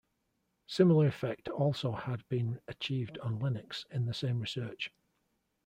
Similar effect also had been achieved on Linux in the same research.